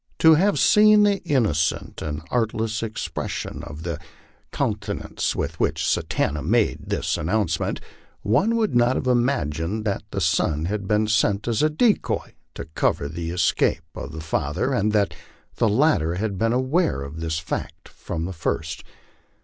To have seen the innocent and artless expression of countenance with which Satanta made this announcement, one would not have imagined that the son had been sent as a decoy to cover the escape of the father, and that the latter had been aware of this fact from the first.